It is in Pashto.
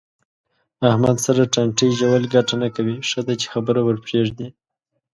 احمد سره ټانټې ژول گټه نه کوي. ښه ده چې خبره ورپرېږدې.